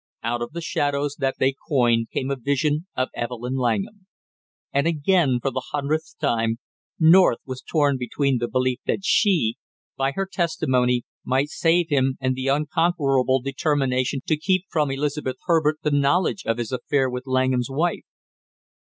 Out of the shadows that they coined came a vision of Evelyn Langham. And again for the hundredth time, North was torn between the belief that she, by her testimony, might save him and the unconquerable determination to keep from Elizabeth Herbert the knowledge of his affair with Langham's wife.